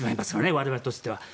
我々としては。